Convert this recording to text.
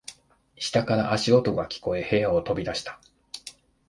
下から足音が聞こえ、部屋を飛び出した。